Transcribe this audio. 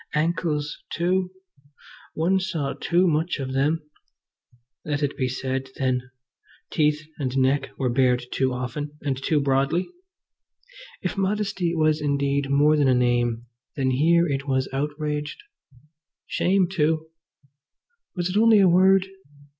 Ankles also! One saw too much of them. Let it be said then. Teeth and neck were bared too often and too broadly. If modesty was indeed more than a name, then here it was outraged. Shame too! was it only a word?